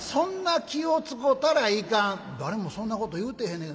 「誰もそんなこと言うてへんねん」。